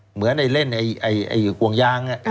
เหมือนเล่นไอ้กวงยาง